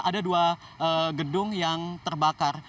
ada dua gedung yang terbakar